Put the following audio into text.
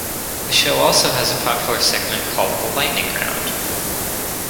The show also has a popular segment called "The Lightning Round".